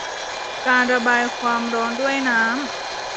การระบายความร้อนด้วยน้ำ